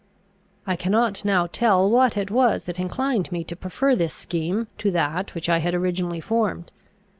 I cannot now tell what it was that inclined me to prefer this scheme to that which I had originally formed.